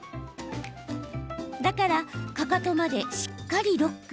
だから、かかとまでしっかりロック。